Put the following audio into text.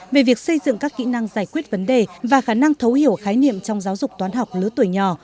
về việc xây dựng các kỹ năng giải quyết vấn đề và khả năng thấu hiểu khái niệm trong giáo dục toán học lứa tuổi nhỏ